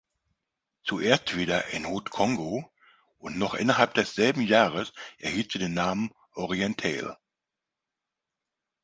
Zuerst wieder in "Haut-Congo" und noch innerhalb desselben Jahres erhielt sie den Namen Orientale.